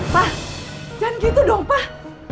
pak jangan gitu dong pak